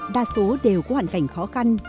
đa số đều có hoàn cảnh khó khăn